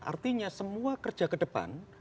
artinya semua kerja ke depan